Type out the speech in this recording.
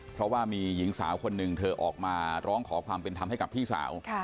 เพราะว่ามีหญิงสาวคนหนึ่งเธอออกมาร้องขอความเป็นธรรมให้กับพี่สาว